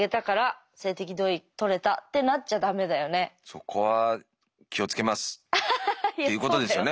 そこは気をつけますっていうことですよね。